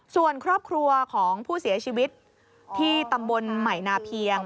ส่วนครอบครัวของผู้เสียชีวิตที่ตำบลใหม่นาเพียง